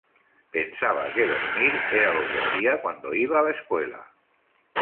Pensaba que dormir era lo que hacia cuando iba a la escuela".